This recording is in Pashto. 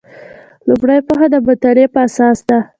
لومړۍ پوهه د مطالعې په اساس ده.